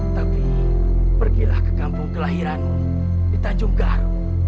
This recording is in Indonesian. tapi pergilah ke kampung kelahiranmu di tanjung gar